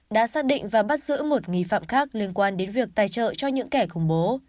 đã xác định và bắt giữ một nghi phạm khác liên quan đến việc tài trợ cho những kẻ khủng bố